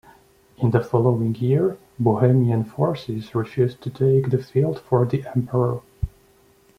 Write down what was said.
In the following year, Bohemian forces refused to take the field for the emperor.